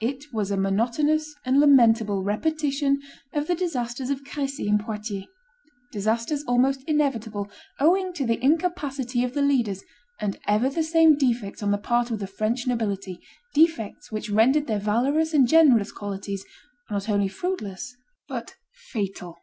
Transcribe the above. It was a monotonous and lamentable repetition of the disasters of Crecy and Poitiers; disasters almost inevitable, owing to the incapacity of the leaders and ever the same defects on the part of the French nobility, defects which rendered their valorous and generous qualities not only fruitless, but fatal.